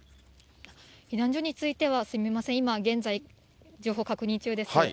避難所については、すみません、今現在、情報確認中です。